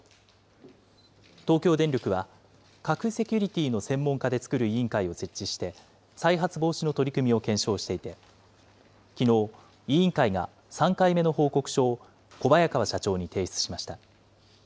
東京電力は、核セキュリティーの専門家で作る委員会を設置して、再発防止の取り組みを検証していて、きのう、委員会が３回目の報告書を、小早川社長に提出しました。